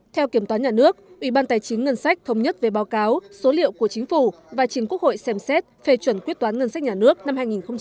theo kiểm toán nhà nước ủy ban tài chính ngân sách thống nhất về báo cáo số liệu của chính phủ và chính quốc hội xem xét phê chuẩn quyết toán ngân sách nhà nước năm hai nghìn một mươi bảy